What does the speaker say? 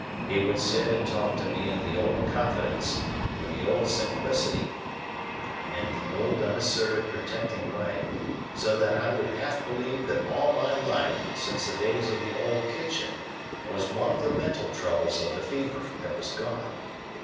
He would sit and talk to me in the old confidence, and with the old simplicity, and in the old unassertive protecting way, so that I would half believe that all my life since the days of the old kitchen was one of the mental troubles of the fever that was gone.